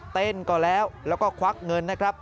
ก่อนแล้วแล้วก็ควักเงินนะครับ